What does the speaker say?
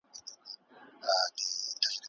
مضمون د شعر لکه پیکر دی